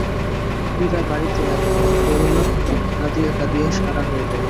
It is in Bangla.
পীড়া বাড়িতে লাগিল, করুণা কাঁদিয়া কাঁদিয়া সারা হইল।